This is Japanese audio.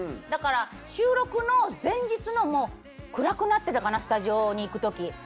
だから収録の前日のもう暗くなってたかなスタジオに行く時。